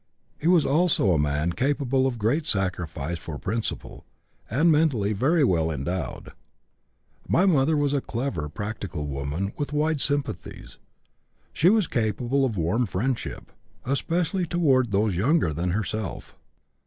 He was also a man capable of great sacrifice for principle, and mentally very well endowed. My mother was a clever, practical woman, with wide sympathies. She was capable of warm friendship, especially toward those younger than herself.